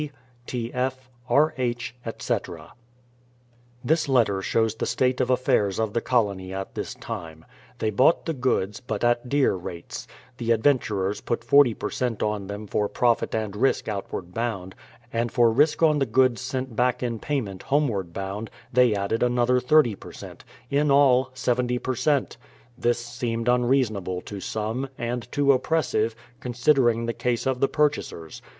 S. W. C. T. F. R. H. etc. This letter shows the state of affairs of the colony at this time. They bought the goods, but at dear rates. The adventurers put 40% on them for profit and risk out ward bound; and for risk on the goods sent back in pay ment, homeward bound, they added another 30%, — in all 70 per cent. This seemed unreasonable to some, and too oppressive, considering the case of the purchasers.